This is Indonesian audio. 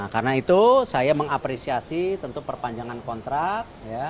karena itu saya mengapresiasi tentu perpanjangan kontrak